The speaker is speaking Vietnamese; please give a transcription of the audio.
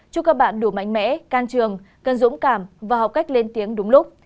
chúc các bạn đủ mạnh mẽ can trường cần dũng cảm và học cách lên tiếng đúng lúc